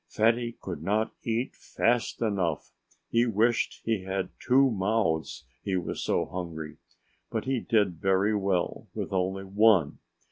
Fatty could not eat fast enough. He wished he had two mouths he was so hungry. But he did very well, with only ONE.